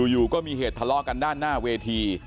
อยู่ก็มีเหตุทะเลาะกันด้านหน้าเวที